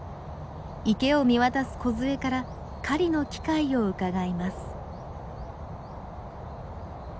池を見渡すこずえから狩りの機会をうかがいます。